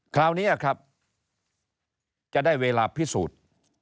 คราวนี้ครับจะได้เวลาพิสูจน์